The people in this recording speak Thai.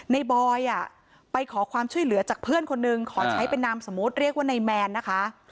บอยไปขอความช่วยเหลือจากเพื่อนคนนึงขอใช้เป็นนามสมมุติเรียกว่าในแมนนะคะ